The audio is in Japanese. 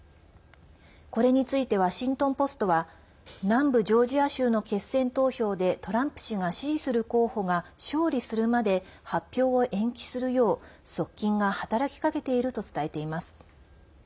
これについてワシントン・ポストは南部ジョージア州の決選投票でトランプ氏が支持する候補が勝利するまで発表を延期するよう側近が働きかけていると伝えています。